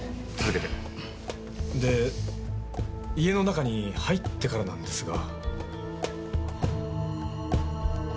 で家の中に入ってからなんですが。